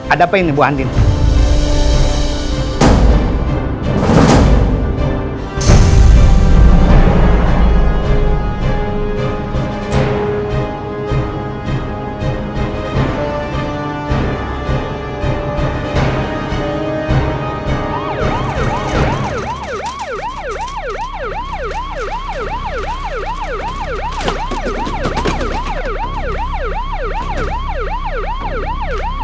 ada apa ini bu andien